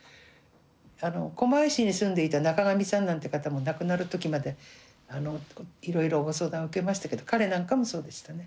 狛江市に住んでいた中上さんなんて方も亡くなる時までいろいろご相談受けましたけど彼なんかもそうでしたね。